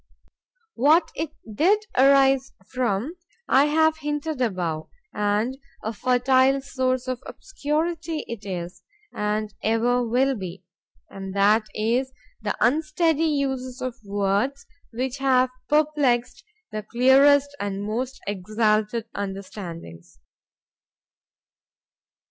What it did arise from, I have hinted above, and a fertile source of obscurity it is,—and ever will be,—and that is the unsteady uses of words, which have perplexed the clearest and most exalted understandings.